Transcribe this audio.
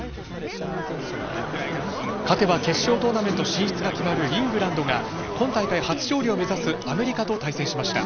勝てば決勝トーナメント進出が決まるイングランドが今大会初勝利を目指すアメリカと対戦しました。